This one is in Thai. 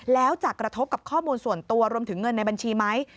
แล้วจะกระทบกับข้อมูลส่วนตัวรวมถึงเงินในบัญชีไหม